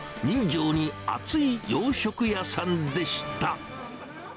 人情に厚い洋食屋さんでした。